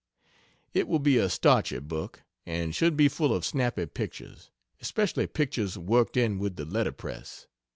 It will be a starchy book, and should be full of snappy pictures especially pictures worked in with the letterpress.